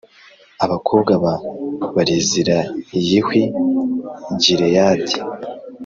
abakobwa ba Barizilayih w i Gileyadi